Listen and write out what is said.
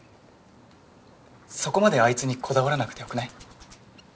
そこまであいつにこだわらなくてよくない？